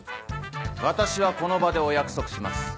私はこの場でお約束します。